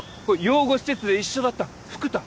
養護施設で一緒だった福多。